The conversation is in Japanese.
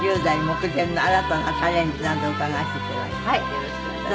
よろしくお願いします。